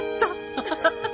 アハハハ。